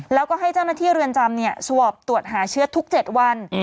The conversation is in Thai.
แล้วก็ให้เจ้าหน้าที่เรือนจำสวอปตรวจหาเชื้อทุก๗วัน